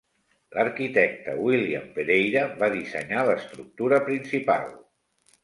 L'arquitecte William Pereira va dissenyar l'estructura principal.